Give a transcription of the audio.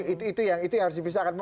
itu yang harus dipisahkan